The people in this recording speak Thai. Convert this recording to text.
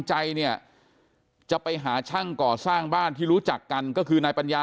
ใจเนี่ยจะไปหาช่างก่อสร้างบ้านที่รู้จักกันก็คือนายปัญญา